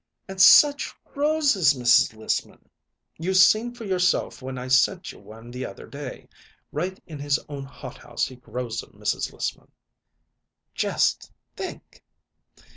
"And such roses, Mrs. Lissman! You seen for yourself when I sent you one the other day. Right in his own hothouse he grows 'em, Mrs. Lissman." "Just think!"